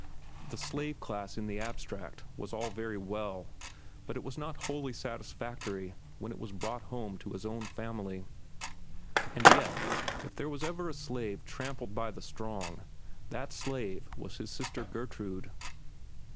The slave class in the abstract was all very well, but it was not wholly satisfactory when it was brought home to his own family. And yet, if there was ever a slave trampled by the strong, that slave was his sister Gertrude.